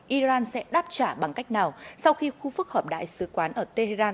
iran sẽ đáp trả bằng cách nào sau khi khu vực hợp đại sứ quán ở tehran